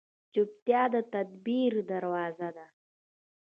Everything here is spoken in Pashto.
چپتیا، د تدبیر دروازه ده.